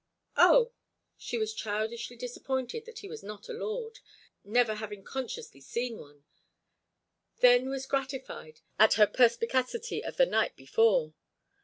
"Oh!" She was childishly disappointed that he was not a lord, never having consciously seen one, then was gratified at her perspicacity of the night before.